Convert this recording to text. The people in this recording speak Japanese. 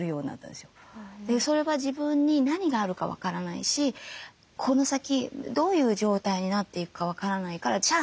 それは自分に何があるか分からないしこの先どういう状態になっていくか分からないからじゃあ